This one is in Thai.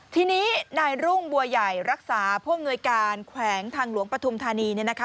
ทีนี้นายรุ่งบัวใหญ่รักษาผู้อำนวยการแขวงทางหลวงปฐุมธานีเนี่ยนะคะ